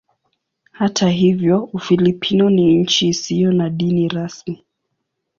Hata hivyo Ufilipino ni nchi isiyo na dini rasmi.